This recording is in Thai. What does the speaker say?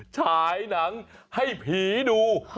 ฉายหนังให้ผีดู